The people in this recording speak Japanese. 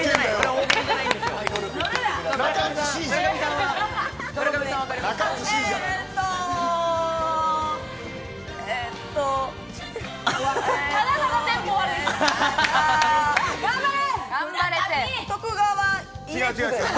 大喜利じゃないんですよ。